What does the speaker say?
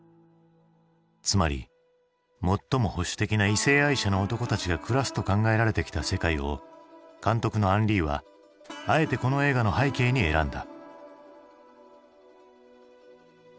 つまり最も保守的な異性愛者の男たちが暮らすと考えられてきた世界を監督のアン・リーはあえてこの映画の背景に選んだ。